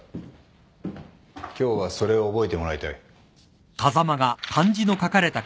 今日はそれを覚えてもらいたい。